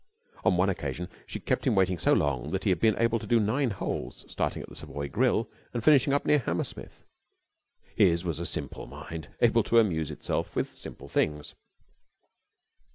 On one occasion she had kept him waiting so long that he had been able to do nine holes, starting at the Savoy Grill and finishing up near Hammersmith. His was a simple mind, able to amuse itself with simple things.